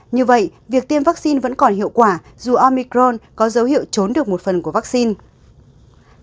như vậy việc tiêm vaccine vẫn còn hiệu quả dù amicron có dấu hiệu trốn được một phần của vaccine